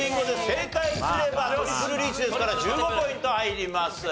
正解すればトリプルリーチですから１５ポイント入ります。